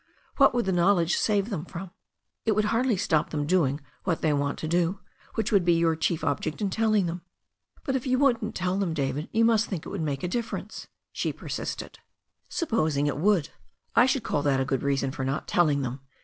What would the knowledge save them from? It would hardly stop them doing what they want to do, which would be your chief object in telling them." "But if you wouldn't tell them, David, you must think it would make a difference," she persisted. 354 THE STORY OP A NEW ZEALAND RIVER ''Supposing it wotild. I should call that a good reason for not telling them.